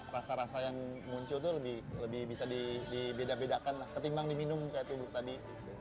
rasa rasa yang muncul tuh lebih bisa dibeda bedakan ketimbang diminum kayak teamwork tadi